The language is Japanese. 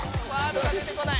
出てこない。